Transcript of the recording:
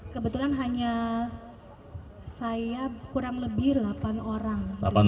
kebetulan hanya saya kurang lebih delapan orang